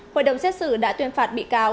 hội đồng xét xử đã tuyên phạt bị cáo